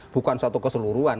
bukan suatu keseluruhan